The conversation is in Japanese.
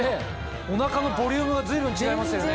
お腹のボリュームが随分違いますよね。